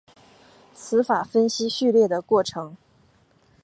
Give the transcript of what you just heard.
词法分析序列的过程。